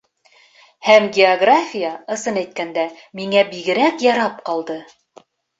Һәм география, ысын әйткәндә, миңә бигерәк ярап ҡалды.